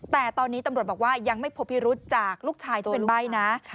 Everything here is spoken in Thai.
แต่ตอนนี้ตำรวจบอกว่ายังไม่พบพิรุษจากลูกชายที่เป็นใบ้นะ